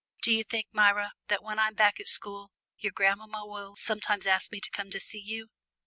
Do you think, Myra, that when I'm back at school your grandmamma will sometimes ask me to come to see you?"